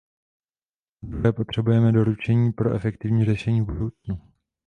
Za druhé potřebujeme doporučení pro efektivní řešení v budoucnu.